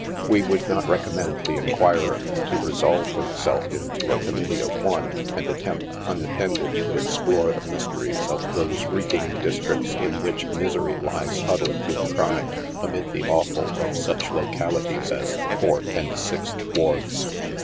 "' We would not recommend the inquirer to resolve himself into a committee of one, and attempt, unattended, to explore the mysteries of those reeking districts in which misery lies huddled with crime, amid the offal of such localities as the Fourth and Sixth Wards.